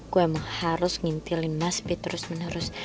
gue emang harus ngintilin mas b terus menerus